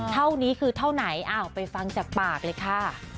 เท่านี้คือเท่าไหนอ้าวไปฟังจากปากเลยค่ะ